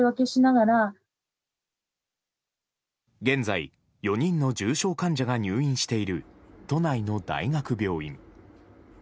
現在、４人の重症患者が入院している都内の大学病院。